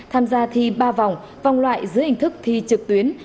tham gia thi ba vòng vòng loại dưới hình thức thi trực tuyến